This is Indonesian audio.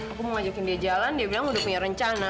aku mau ngajakin dia jalan dia bilang udah punya rencana